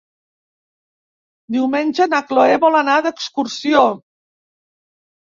Diumenge na Cloè vol anar d'excursió.